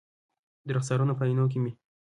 د رخسارونو په آئینو کې مې